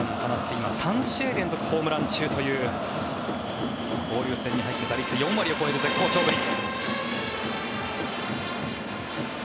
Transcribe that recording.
今３試合連続ホームラン中という交流戦に入って打率４割を超える絶好調ぶり。